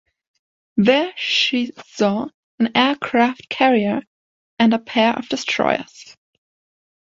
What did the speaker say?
There she saw an aircraft carrier and a pair of destroyers.